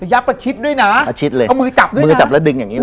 ับประชิดด้วยนะประชิดเลยเอามือจับด้วยมือจับแล้วดึงอย่างนี้เลย